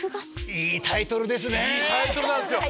いいタイトルですね！